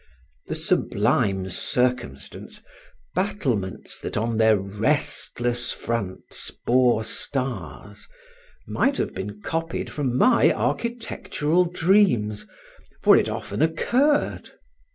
The sublime circumstance, "battlements that on their restless fronts bore stars," might have been copied from my architectural dreams, for it often occurred.